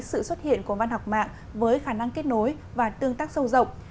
sự xuất hiện của văn học mạng với khả năng kết nối và tương tác sâu rộng